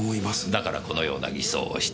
だからこのような偽装をした。